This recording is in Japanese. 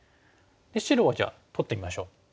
白はじゃあ取ってみましょう。